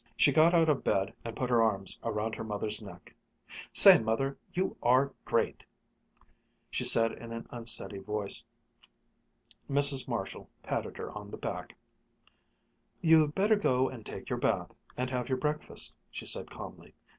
She got out of bed and put her arms around her mother's neck. "Say, Mother, you are great!" she said in an unsteady voice. Mrs. Marshall patted her on the back. "You'd better go and take your bath, and have your breakfast," she said calmly.